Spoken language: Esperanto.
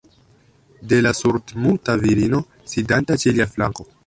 De la surdmuta virino, sidanta ĉe lia flanko.